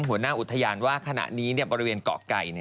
หัวหน้าอุทยานว่าขณะนี้บริเวณเกาะไก่